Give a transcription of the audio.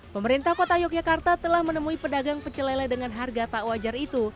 pemerintah kota yogyakarta telah menemui pedagang pecelele dengan harga tak wajar itu